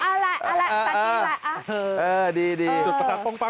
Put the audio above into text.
เอาล่ะตัดดีล่ะเอา